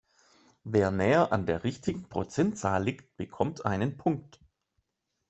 Wer näher an der richtigen Prozentzahl liegt, bekommt einen Punkt.